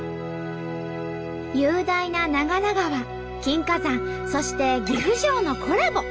雄大な長良川金華山そして岐阜城のコラボ。